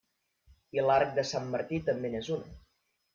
I l'arc de Sant Martí també n'és una.